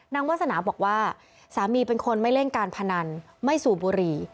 วาสนาบอกว่าสามีเป็นคนไม่เล่นการพนันไม่สูบบุหรี่